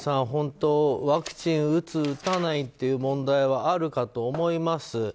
本当にワクチンを打つ、打たないという問題はあるかと思います。